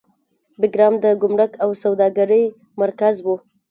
بګرام د ګمرک او سوداګرۍ مرکز و